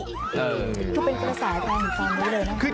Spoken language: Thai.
คือเป็นภาษาภาคมกลางนี้เลยนะ